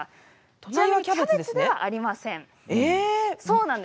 隣のキャベツではありません。